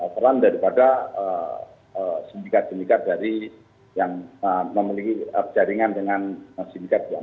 peran daripada sindikat sindikat dari yang memiliki jaringan dengan sinket ya